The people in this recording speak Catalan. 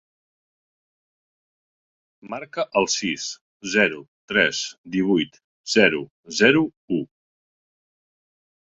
Marca el sis, zero, tres, divuit, zero, zero, u.